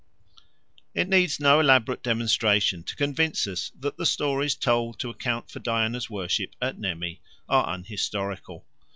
It needs no elaborate demonstration to convince us that the stories told to account for Diana's worship at Nemi are unhistorical.